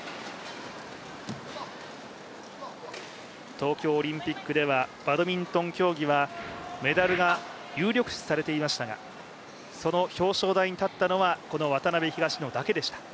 東京オリンピックではバドミントン競技はメダルが有力視されていましたが、その表彰台に立ったのは、この渡辺・東野ペアだけでした。